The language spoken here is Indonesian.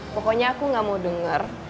pokoknya aku gak mau denger